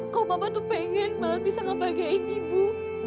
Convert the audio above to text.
kalau saya ingin saya bisa membahagiakan ibu